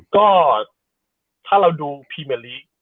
ก็ถ้าเราดูพรีเมอร์ลีก